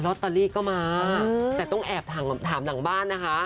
ตเตอรี่ก็มาแต่ต้องแอบถามหลังบ้านนะคะ